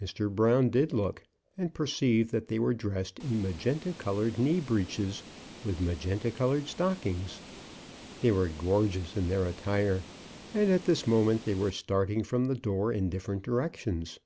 Mr. Brown did look, and perceived that they were dressed in magenta coloured knee breeches, with magenta coloured stockings. They were gorgeous in their attire, and at this moment they were starting from the door in different directions.